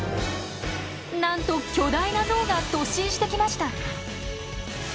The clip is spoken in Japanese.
なんと巨大なゾウが突進してきました。